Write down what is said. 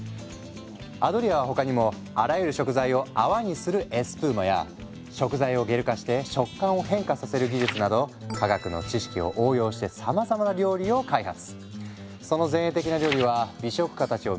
アドリアは他にもあらゆる食材を泡にするエスプーマや食材をゲル化して食感を変化させる技術など科学の知識を応用してさまざまな料理を開発。